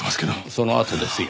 そのあとですよ。